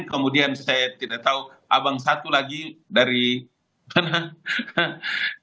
kemudian saya tidak tahu abang satu lagi dari sana